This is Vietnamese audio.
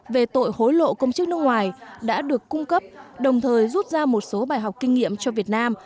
về tội hối lộ công chức nước ngoài đã được cung cấp đồng thời rút ra một số bài học kinh nghiệm cho việt nam